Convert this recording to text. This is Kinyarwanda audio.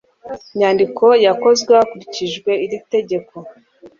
nyandiko yakozwe hakurikijwe iri tegeko